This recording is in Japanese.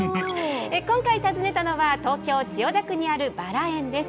今回訪ねたのは、東京・千代田区にあるバラ園です。